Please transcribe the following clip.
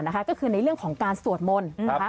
ก็คือในเรื่องของการสวดมนต์